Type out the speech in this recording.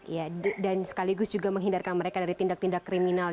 ya dan sekaligus juga menghindarkan mereka dari tindak tindak kriminal